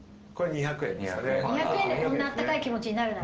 ２００円でこんなあったかい気持ちになるならね。